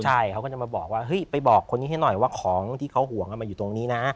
ใช่เขาก็จะมาบอกว่าเฮ้ยไปบอกคนนี้ให้หน่อยว่าของที่เขาห่วงมันอยู่ตรงนี้นะ